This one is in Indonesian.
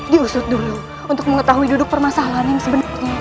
diusut dulu untuk mengetahui duduk permasalahan yang sebenarnya